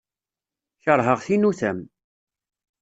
Kerheɣ tinutam.